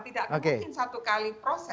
tidak mungkin satu kali proses